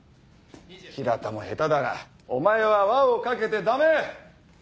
平田も下手だがお前は輪をかけて駄目！